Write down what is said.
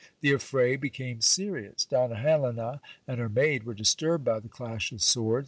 The affray became serious. Donna Helena and her maid were disturbed by the clash of swords.